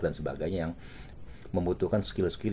dan sebagainya yang membutuhkan skill skill